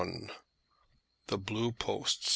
THE BLUE POSTS.